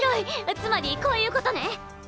つまりこういうことね。